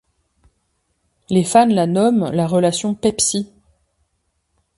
Les fans la nomment la relation PepSi.